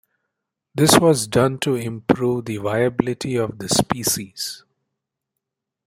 This was done to improve the viability of the species.